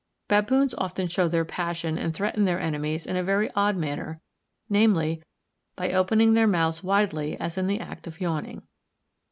Baboons often show their passion and threaten their enemies in a very odd manner, namely, by opening their mouths widely as in the act of yawning.